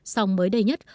xong mới đây nhất